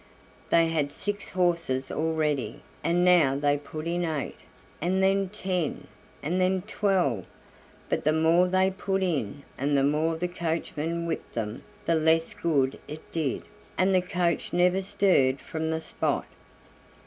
They had six horses already, and now they put in eight, and then ten, and then twelve, but the more they put in, and the more the coachman whipped them, the less good it did; and the coach never stirred from the spot.